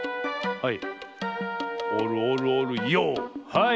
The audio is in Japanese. はい。